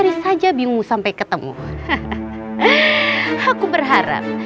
dia kan itu namanya kualat